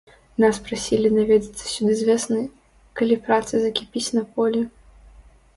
Нас прасілі наведацца сюды з вясны, калі праца закіпіць на полі.